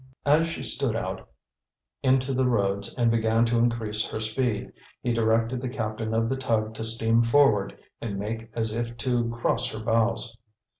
As she stood out into the roads and began to increase her speed, he directed the captain of the tug to steam forward and make as if to cross her bows.